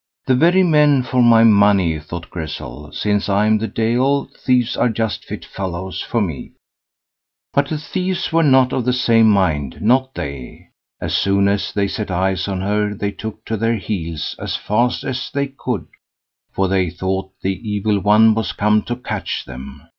"The very men for my money, thought Grizzel, "since I am the Deil, thieves are just fit fellows for me." But the thieves were not of the same mind, not they. As soon as they set eyes on her, they took to their heels as fast as they could, for they thought the Evil One was come to catch them.